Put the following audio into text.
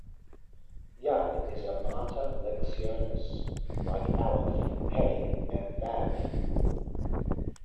Yud is a mater lectionis, like Aleph, He, and Vav.